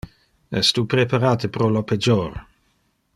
Es tu preparate pro lo pejor?